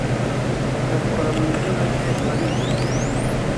akabikora mu izina rye baribeshya